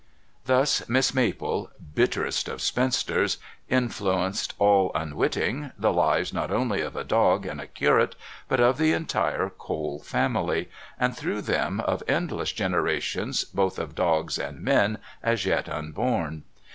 Thus Miss Maple, bitterest of spinsters, influenced, all unwitting, the lives not only of a dog and a curate, but of the entire Cole family, and through them, of endless generations both of dogs and men as yet unborn.